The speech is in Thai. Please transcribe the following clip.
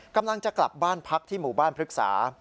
กำลังจะกลับบ้านพักที่หมู่บ้านพฤกษา